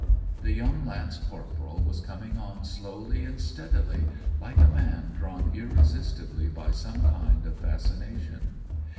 The young lance corporal was coming on slowly and steadily, like a man drawn irresistibly by some kind of fascination.